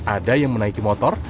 ada yang menaiki motor